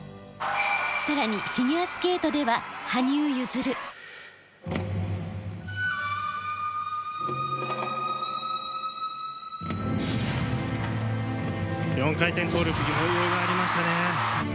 さらにフィギュアスケートでは４回転トーループ余裕がありましたね。